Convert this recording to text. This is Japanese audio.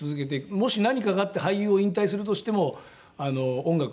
もし何かがあって俳優を引退をするとしても音楽は続けると思います。